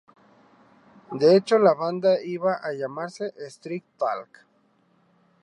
De hecho, la banda iba a llamarse Street Talk.